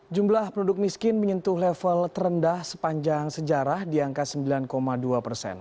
jumlah penduduk miskin menyentuh level terendah sepanjang sejarah di angka sembilan dua persen